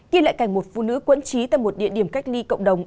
ghi lại cảnh một phụ nữ quẫn trí tại một địa điểm cách ly cộng đồng